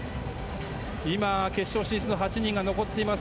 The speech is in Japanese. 今、決勝進出の８人が残っています。